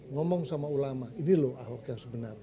ngomong sama ulama ini loh ahok yang sebenarnya